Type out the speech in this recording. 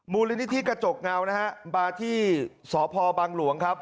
มูลนิธิกระจกเงานะฮะมาที่สพบังหลวงครับ